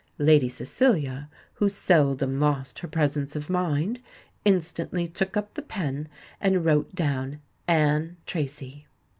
Lady Cecilia, who seldom lost her presence of mind, instantly took up the pen, and wrote down "ANNE TRACY."